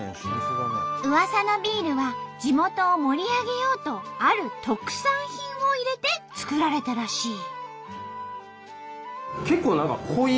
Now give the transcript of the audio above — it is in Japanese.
うわさのビールは地元を盛り上げようとある特産品を入れて作られたらしい。